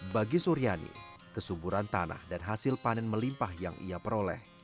bagi suryani kesuburan tanah dan hasil panen melimpah yang ia peroleh